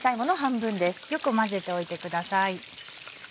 よく混ぜておいてください。